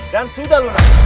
dan sudah lunas